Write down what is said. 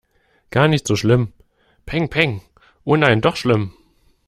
Gar nicht so schlimm. Pengpeng. Oh nein, doch schlimm!